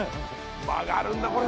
「曲がるんだこれ」